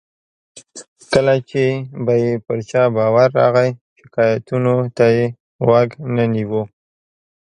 کله چې به یې پر چا باور راغی، شکایتونو ته یې غوږ نه نیو.